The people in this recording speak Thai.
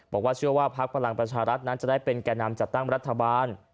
บอกว่าเชื่อว่าพักพลังประชารัฐนั้นจะได้เป็นแก่นำจัดตั้งรัฐบาล